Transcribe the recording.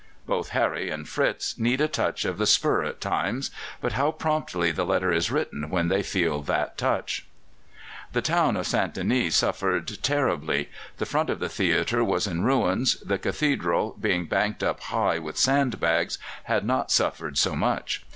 Both Harry and Fritz need a touch of the spur at times, but how promptly the letter is written when they feel that touch! The town of St. Denis suffered terribly. The front of the theatre was in ruins. The cathedral, being banked up high with sand bags, had not suffered so much.